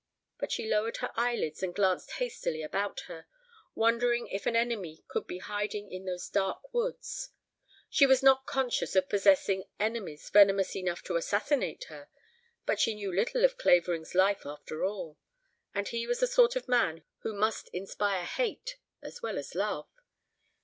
But she lowered her eyelids and glanced hastily about her, wondering if an enemy could be hiding in those dark woods. She was not conscious of possessing enemies venomous enough to assassinate her, but she knew little of Clavering's life after all, and he was the sort of man who must inspire hate as well as love